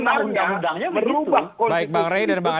tapi yang menolak perpanjangan